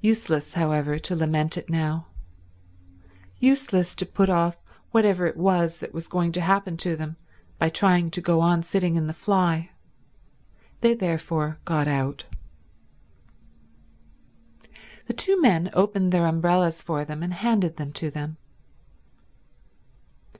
Useless, however, to lament it now. Useless to put off whatever it was that was going to happen to them by trying to go on sitting in the fly. They therefore got out. The two men opened their umbrellas for them and handed them to them.